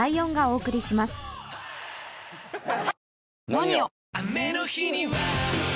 「ＮＯＮＩＯ」！